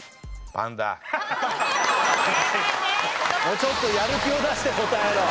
もうちょっとやる気を出して答えろ！